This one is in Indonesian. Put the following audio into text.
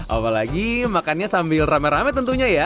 apalagi makannya sambil rame rame tentunya ya